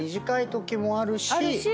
短いときもあるし。